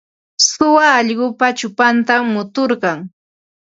Suwa allqupa chupantam muturqun.